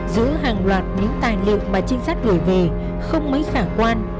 giữ hàng loạt những tài liệu mà trinh sát gửi về không mấy khả quan